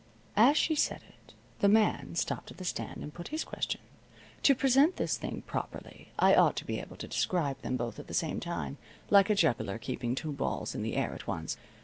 As she said it the man stopped at the stand and put his question. To present this thing properly I ought to be able to describe them both at the same time, like a juggler keeping two balls in the air at once.